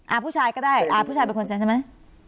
ผู้ชายก็ได้อ่าผู้ชายเป็นคนเซ็นใช่ไหม